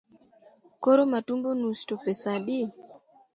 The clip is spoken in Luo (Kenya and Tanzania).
Koro matumbo nus to pesa adi?